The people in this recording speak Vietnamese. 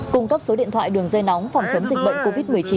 cung cấp số điện thoại đường dây nóng phòng chống dịch bệnh covid một mươi chín